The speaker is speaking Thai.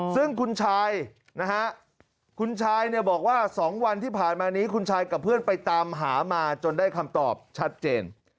ซึ่งคุณชายนะฮะคุณชายเนี่ยบอกว่า๒วันที่ผ่านมานี้คุณชายกับเพื่อนไปตามหามาจนได้คำตอบชัดเจน